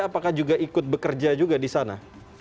apakah juga ikut bekerja juga di sana